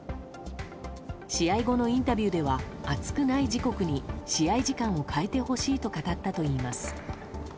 試合後のインタビューでは暑くない時刻に試合時間を変えてほしいと語ったといいます。